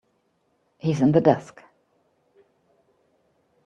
He's in the desk.